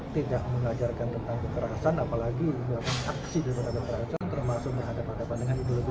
tidak mengajarkan tentang kekerasan apalagi aksi terhadap kekerasan termasuk menghadap hadapan dengan ideologi negara